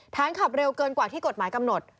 ขับเร็วเกินกว่าที่กฎหมายกำหนด